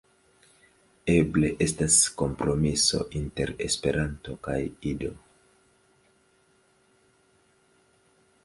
Eble estas kompromiso inter Esperanto kaj Ido.